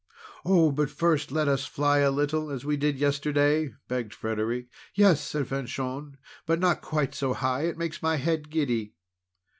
"Oh, but first let us fly a little, as we did yesterday!" begged Frederic. "Yes," said Fanchon, "but not quite so high. It makes my head giddy."